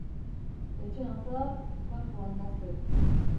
Etxean zahar, kanpoan gazte.